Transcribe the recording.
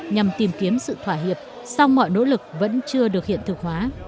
nhằm tìm kiếm sự thỏa hiệp song mọi nỗ lực vẫn chưa được hiện thực hóa